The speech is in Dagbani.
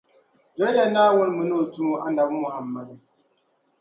Doli ya Naawuni mini O tumo Annabi Muhammadu